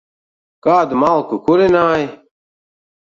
Kādu malku kurināji?